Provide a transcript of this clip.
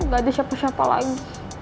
gak ada siapa siapa lagi